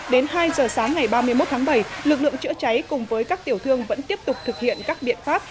đến hai giờ sáng ngày ba mươi một tháng bảy lực lượng chữa cháy cùng với các tiểu thương vẫn tiếp tục thực hiện các biện pháp